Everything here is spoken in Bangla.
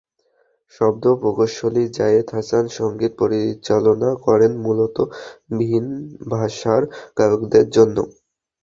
শব্দ প্রকৌশলী জায়েদ হাসান সংগীত পরিচালনা করেন মূলত ভিন ভাষার গায়কদের জন্য।